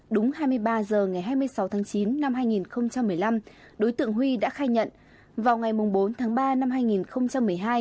đúng hai mươi ba h ngày hai mươi sáu tháng chín năm hai nghìn một mươi năm đối tượng huy đã khai nhận vào ngày bốn tháng ba năm hai nghìn một mươi hai